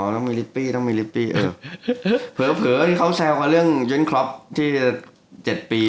อ๋อต้องมีลิปปี้ต้องมีลิปปี้